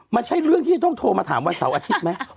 มันใช่เรื่องที่จะต้องโทรมาถามวันเสาร์อาทิตย์ไหม